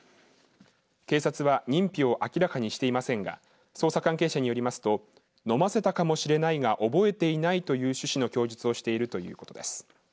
警察は認否を明らかにしていませんが捜査関係者によりますと飲ませたかもしれないが覚えていないという趣旨の供述をしているということです。